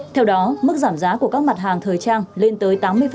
theo đó mức giảm giá của các mặt hàng thời trang lên tới tám mươi